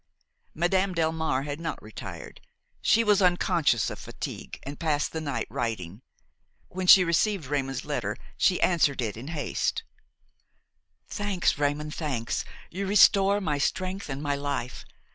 Madame Delmare had not retired; she was unconscious of fatigue and passed the night writing. When she received Raymon's letter she answered it in haste: "Thanks, Raymon, thanks! you restore my strength and my life.